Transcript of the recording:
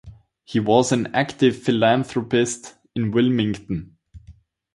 He was an active philanthropist in Wilmington.